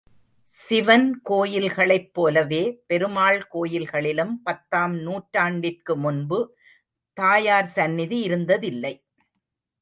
சிவன் கோயில்களைப் போலவே பெருமாள் கோயில்களிலும் பத்தாம் நூற்றாண்டிற்கு முன்பு தாயார் சந்நிதி இருந்ததில்லை.